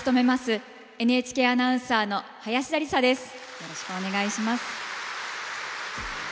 よろしくお願いします。